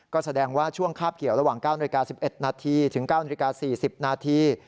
ก็แสดงว่าช่วงคาบเกี่ยวระหว่าง๙นาฬิกา๑๑นาทีถึง๙นาฬิกา๔๐นาที